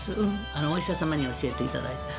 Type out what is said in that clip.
お医者様に教えていただいて。